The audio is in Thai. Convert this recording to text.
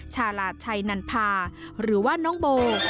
ชาลาชัยนันพาหรือว่าน้องโบ